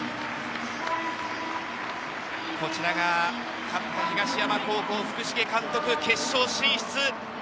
こちらが勝った東山高校・福重監督、決勝進出。